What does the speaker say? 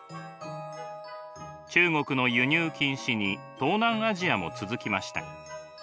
中国の輸入禁止に東南アジアも続きました。